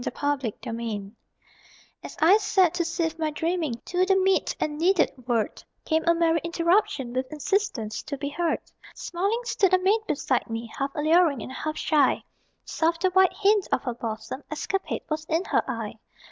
THE INTRUDER As I sat, to sift my dreaming To the meet and needed word, Came a merry Interruption With insistence to be heard. Smiling stood a maid beside me, Half alluring and half shy; Soft the white hint of her bosom Escapade was in her eye.